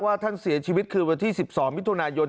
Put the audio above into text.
ท่านเสียชีวิตคือวันที่๑๒มิถุนายน